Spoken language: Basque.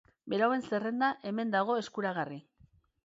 Berauen zerrenda hemen dago eskuragarri.